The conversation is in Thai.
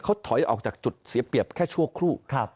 เขาถอยออกจากจุดเสียเปรียบแค่ชั่วครู่